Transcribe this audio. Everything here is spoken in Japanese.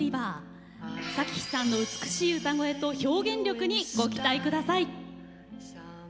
咲妃さんの美しい歌声と表現力にご期待ください。